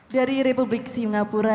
dari republik singapura